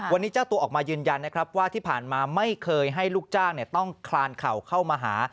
วันนี้เจ้าตัวออกมายืนยันนะครับว่าที่ผ่านมาไม่เคยให้ลูกจ้างต้องคลานเข่าเข้ามาหา